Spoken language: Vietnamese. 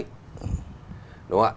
đúng không ạ